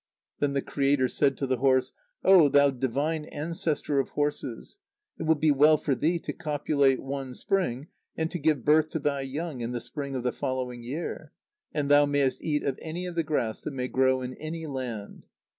Then the Creator said to the horse: "Oh! thou divine ancestor of horses! It will be well for thee to copulate one spring, and to give birth to thy young in the spring of the following year; and thou mayest eat any of the grass that may grow in any land."